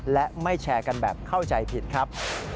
และไม่แชร์กันแบบเข้าใจผิดครับ